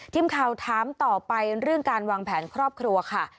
ทีมข่าวถามต่อไปเรื่องการวางแผนครอบครัวค่ะ